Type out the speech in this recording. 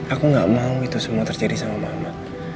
aku gak mau itu semua terjadi sama mama